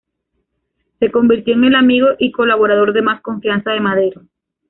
Se convirtió en el amigo y colaborador de más confianza de Madero.